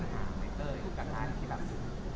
คงไม่แปลกอะไรอย่างนี้